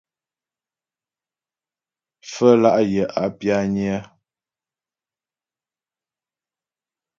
Pfə́lá' yə̀ a pyányə́.